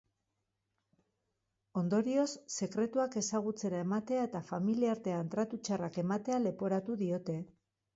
Ondorioz, sekretuak ezagutzera ematea eta familiartean tratu txarrak ematea leporatu diote.